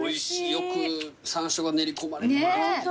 よく山椒が練り込まれた。